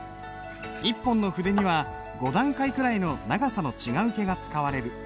一本の筆には５段階くらいの長さの違う毛が使われる。